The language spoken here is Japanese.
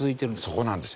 そこなんですよ。